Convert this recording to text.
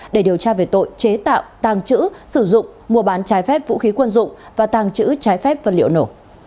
để điều tra về tội chế tạo tàng trữ sử dụng mua bán trái phép vũ khí quân dụng và tàng trữ trái phép vật liệu nổ